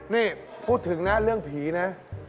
นี่พูดถึงนะเรื่องผีนะ